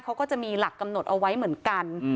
เขาก็จะมีหลักกำหนดเอาไว้เหมือนกัน